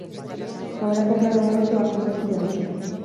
Gauerako plana baduzu, hartu ezazu berokia.